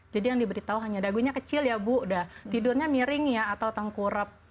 jadi yang diberitahu hanya dagunya kecil ya bu tidurnya miring ya atau tengkurep